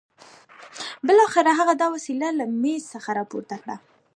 بالاخره هغه دا وسيله له مېز څخه راپورته کړه.